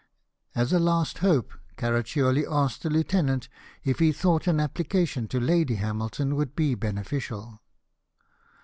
As a last hope, Caraccioli asked the lieutenant if he thought an application to Lady Hamilton would be beneficial.